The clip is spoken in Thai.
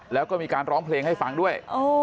แล้วก็มีการร้องเพลงให้ฟังด้วย